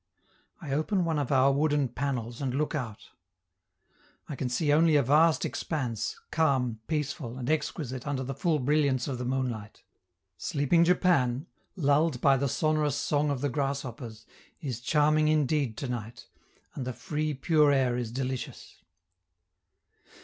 I open one of our wooden panels and look out. I can see only a vast expanse, calm, peaceful, and exquisite under the full brilliance of the moonlight; sleeping Japan, lulled by the sonorous song of the grasshoppers, is charming indeed to night, and the free, pure air is delicious.